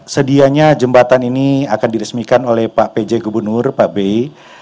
sedianya jembatan ini akan diresmikan oleh pak pj gubernur pak bey